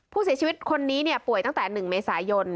ผู้เสียชีวิตคนนี้ป่วยตั้งแต่๑เมษายน